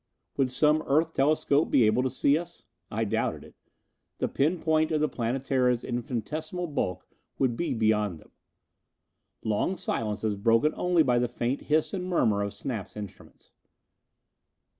Would some Earth telescope be able to see us? I doubted it. The pinpoint of the Planetara's infinitesimal bulk would be beyond them. Long silences, broken only by the faint hiss and murmur of Snap's instruments.